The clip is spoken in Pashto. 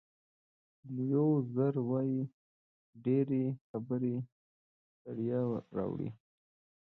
لیو زو وایي ډېرې خبرې ستړیا راوړي.